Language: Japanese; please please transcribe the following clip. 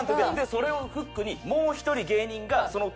それをフックに。